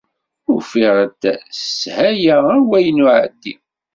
Ufiɣ-d s sshala awal n uεeddi.